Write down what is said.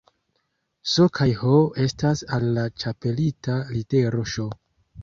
S kaj H egalas al la ĉapelita litero Ŝ